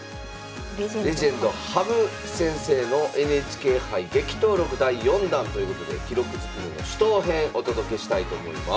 レジェンド羽生先生のＮＨＫ杯激闘録第４弾ということで「記録ずくめの死闘編」お届けしたいと思います。